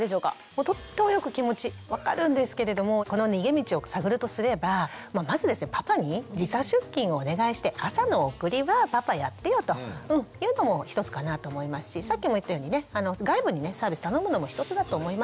もうとってもよく気持ち分かるんですけれどもこの逃げ道を探るとすればまずパパに時差出勤をお願いして朝の送りはパパやってよというのも一つかなと思いますしさっきも言ったようにね外部にねサービス頼むのも一つだと思います。